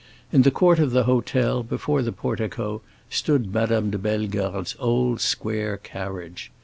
In the court of the hôtel, before the portico, stood Madame de Bellegarde's old square carriage.